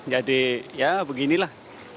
jadi ya beginilah